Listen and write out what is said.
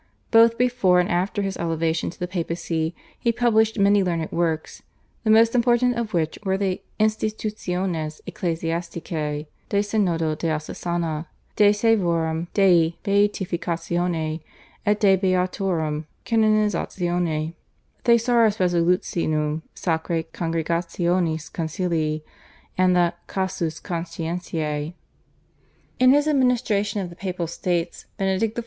Both before and after his elevation to the papacy he published many learned works, the most important of which were the /Institutiones Ecclesiasticae/, /De Synodo Diocesana/, /De Servorum Dei Beatificatione et de Beatorum canonizatione/, /Thesaurus Resolutionum Sacrae Congregationis Concilii/, and the /Casus Conscientiae/. In his administration of the Papal States Benedict XIV.